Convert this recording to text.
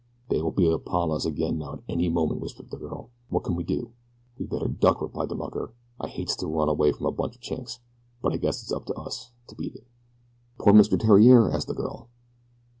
"They will be upon us again now at any moment," whispered the girl. "What can we do?" "We better duck," replied the mucker. "I hates to run away from a bunch of Chinks, but I guess it's up to us to beat it." "But poor Mr. Theriere?" asked the girl.